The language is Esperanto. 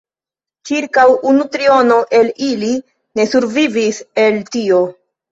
Ĉirkaŭ unu triono el ili ne survivis el tio.